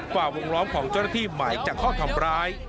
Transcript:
กว่าวงล้อมของเจ้าหน้าที่หมายจากข้อทำร้าย